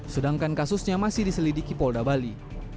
sedangkan kasusnya masih diselidiki polda bali